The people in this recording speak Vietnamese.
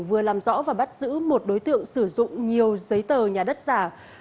vừa làm rõ và bắt giữ một đối tượng sử dụng nhiều giấy tờ nhà đất giả